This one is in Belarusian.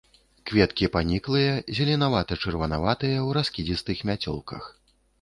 Кветкі паніклыя, зеленавата-чырванаватыя, у раскідзістых мяцёлках.